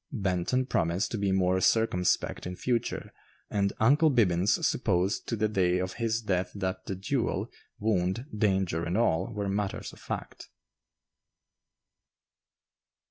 Benton promised to be more circumspect in future, and "Uncle Bibbins" supposed to the day of his death that the duel, wound, danger, and all, were matters of fact.